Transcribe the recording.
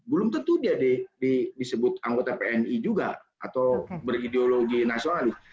belum tentu dia disebut anggota pni juga atau berideologi nasionalis